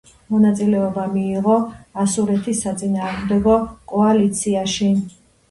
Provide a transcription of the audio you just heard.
მონაწილეობა მიიღო ასურეთის საწინააღმდეგო კოალიციაში.